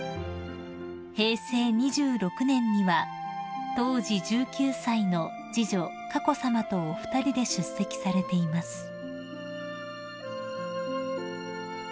［平成２６年には当時１９歳の次女佳子さまとお二人で出席されています］